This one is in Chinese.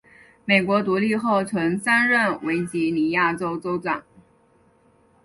美国独立后曾三任维吉尼亚州州长。